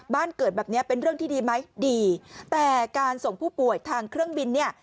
บ้านเกิดแบบเนี้ยเป็นเรื่องที่ดีไหมดีแต่การส่งผู้ป่วยทางเครื่องบินเนี่ย